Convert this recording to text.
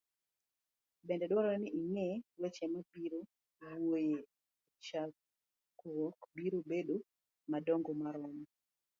Bende dwarore ni ing'e weche mibiro wuoyoe e chokruok biro bedo madongo marom